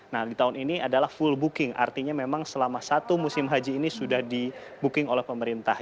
nah di tahun ini adalah full booking artinya memang selama satu musim haji ini sudah di booking oleh pemerintah